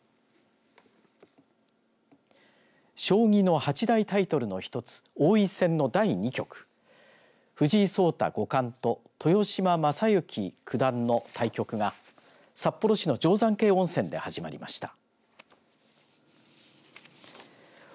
将棋の八大タイトルの一つ王位戦の第２局藤井聡太五冠と豊島将之九段の対局が、札幌市の定山渓温泉で始まりました。